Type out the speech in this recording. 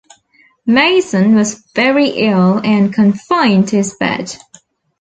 Mason was very ill and confined to his bed.